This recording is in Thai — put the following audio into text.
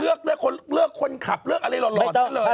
อูเบอร์เลือกคนขับเลือกอะไรหล่อฉันเลือก